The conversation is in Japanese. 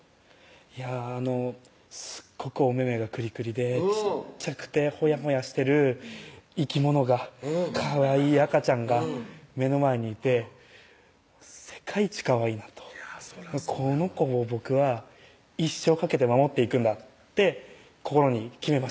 いやすっごくお目々がクリクリで小っちゃくてほやほやしてる生き物がかわいい赤ちゃんが目の前にいて世界一かわいいなとこの子を僕は一生懸けて守っていくんだって心に決めました